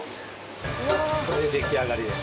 これで出来上がりです。